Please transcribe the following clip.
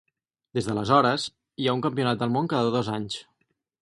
Des d'aleshores, hi ha un Campionat del Món cada dos anys.